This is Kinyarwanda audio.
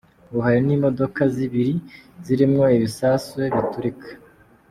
Ngo hari n'imodoka zibiri zirimwo ibisasu biturika.